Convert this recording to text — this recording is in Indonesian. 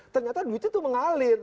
ternyata duitnya itu mengalir